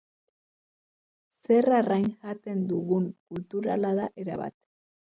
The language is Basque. Zer arrain jaten dugun kulturala da erabat.